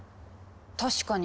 確かに。